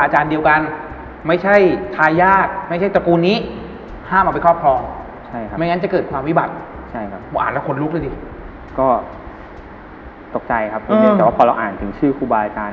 แต่พอเราถึงงวิบัติถึงครูบาอาจารย์